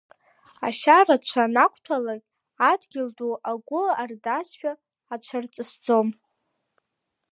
Ашьа рацәа анақәҭәалак, адгьыл ду агәы ардазшәа, аҽарҵысӡом.